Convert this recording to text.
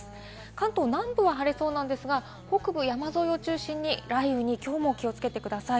関東南部は晴れそうですが、北部山沿いを中心に雷雨にきょうも気をつけてください。